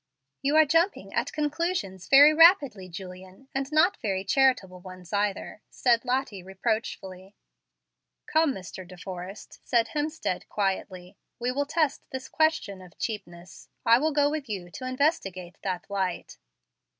"You are jumping at conclusions very rapidly, Julian, and not very charitable ones either," said Lottie, reproachfully. "Come, Mr. De Forrest," said Hemstead, quietly, "we will test this question of cheapness. I will go with you to investigate that light."